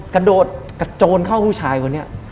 กระโดดกระโจนเข้าผู้ชายคนนี้